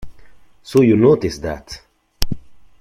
So you noticed that!